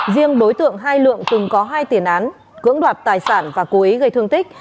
riêng đối tượng hai lượng từng có hai tiền án cưỡng đoạt tài sản và cố ý gây thương tích